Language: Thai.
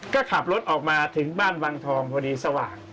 ก็ขับรถออกมาถึงบ้านวังทองพอดีสว่าง